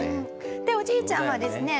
でおじいちゃんはですね